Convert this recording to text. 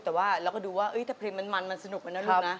แต่ว่าเราก็ดูว่าถ้าเพลงมันมันสนุกไปนะลูกนะ